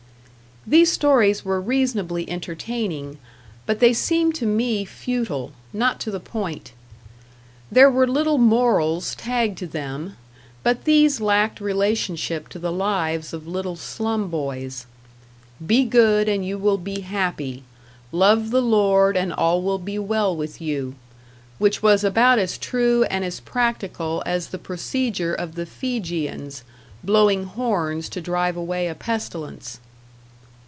These stories were reasonably entertaining, but they seemed to me futile, not to the point. There were little morals tagged to them, but these lacked relationship to the lives of little slum boys. Be good and you will be happy, love the Lord and all will be well with you; which was about as true and as practical as the procedure of the Fijians, blowing horns to drive away a pestilence.